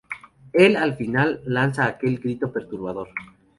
Él, al final, lanza aquel grito perturbador.